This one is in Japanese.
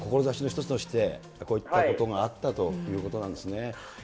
志の一つとしてこういったことがあったということなんですね。